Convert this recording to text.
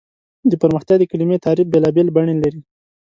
د پرمختیا د کلیمې تعریف بېلابېل بڼې لري.